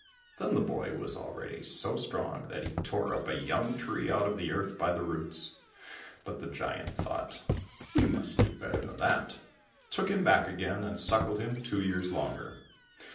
Then the boy was already so strong that he tore up a young tree out of the earth by the roots. But the giant thought, "We must do better than that," took him back again, and suckled him two years longer.